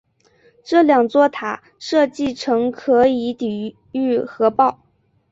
这两座塔设计成可以抵御核爆。